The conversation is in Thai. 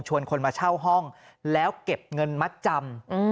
คนมาเช่าห้องแล้วเก็บเงินมัดจำ